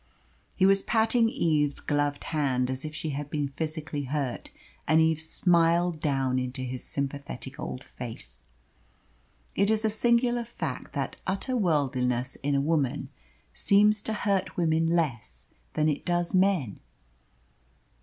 He was patting Eve's gloved hand as if she had been physically hurt, and Eve smiled down into his sympathetic old face. It is a singular fact that utter worldliness in a woman seems to hurt women less than it does men.